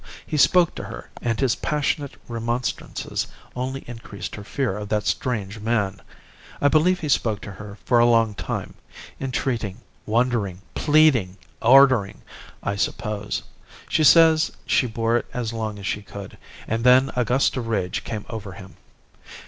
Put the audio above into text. He spoke to her, and his passionate remonstrances only increased her fear of that strange man. I believe he spoke to her for a long time, entreating, wondering, pleading, ordering, I suppose. She says she bore it as long as she could. And then a gust of rage came over him.